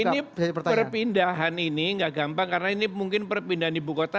ini perpindahan ini nggak gampang karena ini mungkin perpindahan ibu kota